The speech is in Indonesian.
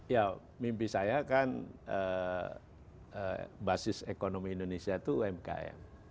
ya mimpi saya kan basis ekonomi indonesia itu umkm